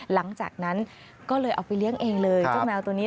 หลังจากนั้นก็เลยเอาไปเลี้ยงเองเลยเจ้าแมวตัวนี้